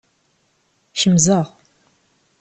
Kemzeɣ.